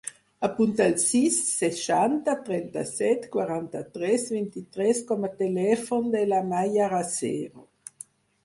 Apunta el sis, seixanta, trenta-set, quaranta-tres, vint-i-tres com a telèfon de la Maya Racero.